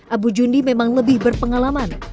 abu jundi memang lebih berpengalaman